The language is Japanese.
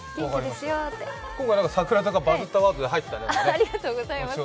今回、櫻坂がバズったワードで入ったね。